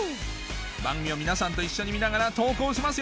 番組を皆さんと一緒に見ながら投稿しますよ